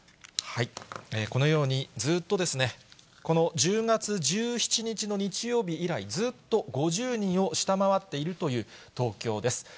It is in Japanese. このようにずっとですね、この１０月１７日の日曜日以来、ずっと５０人を下回っているという東京です。